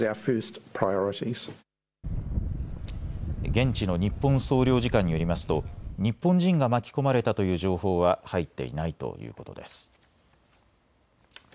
現地の日本総領事館によりますと日本人が巻き込まれたという情報は入っていないということです。